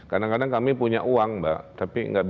kadang kadang kami punya uang mbak tapi